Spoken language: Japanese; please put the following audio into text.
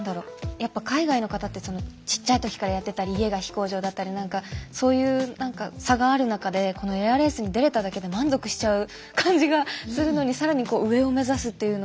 やっぱ海外の方ってちっちゃい時からやってたり家が飛行場だったりなんかそういう差がある中でこのエアレースに出れただけで満足しちゃう感じがするのに更に上を目指すっていうのはすごいなと思いました。